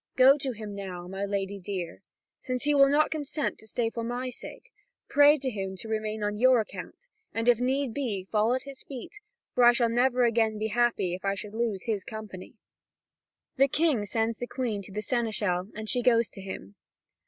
Go to him now, my lady dear. Since he will not consent to stay for my sake, pray him to remain on your account, and if need be, fall at his feet, for I should never again be happy if I should lose his company." The King sends the Queen to the seneschal, and she goes to him.